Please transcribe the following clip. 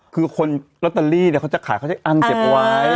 คือคนรอตเตอรี่เนี่ยเขาจะขายเขาจะอั้นเสียบไว้